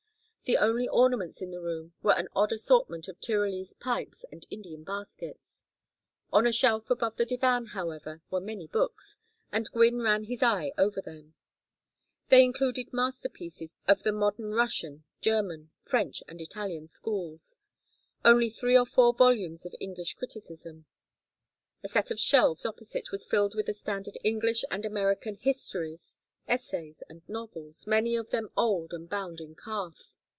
The only ornaments in the room were an odd assortment of Tyrolese pipes and Indian baskets. On a shelf above the divan, however, were many books, and Gwynne ran his eye over them. They included masterpieces of the modern Russian, German, French, and Italian schools; only three or four volumes of English criticism. A set of shelves opposite was filled with the standard English and American histories, essays, and novels, many of them old and bound in calf.